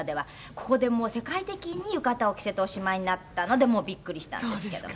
ここで世界的に浴衣を着せておしまいになったのでビックリしたんですけども」